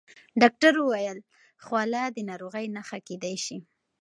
ډاکټر وویل خوله د ناروغۍ نښه کېدای شي.